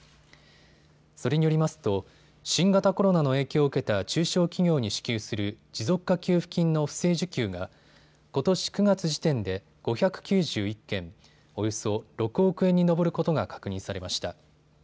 それによりますと新型コロナの影響を受けた中小企業に支給する持続化給付金の不正受給がことし９月時点で５９１件、およそ６億円に上ることが確認されました。